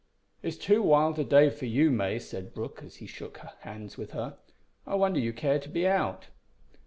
"It's too wild a day for you, May," said Brooke, as he shook hands with her; "I wonder you care to be out."